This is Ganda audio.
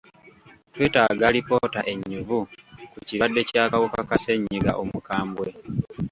Twetaaga alipoota ennyuvu ku kirwadde Ky'akawuka ka ssenyiga omukambwe.